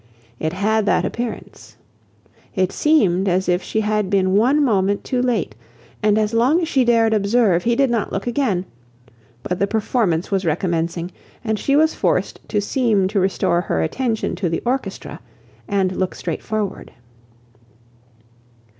It had that appearance. It seemed as if she had been one moment too late; and as long as she dared observe, he did not look again: but the performance was recommencing, and she was forced to seem to restore her attention to the orchestra and look straight forward.